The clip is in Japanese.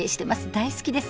大好きです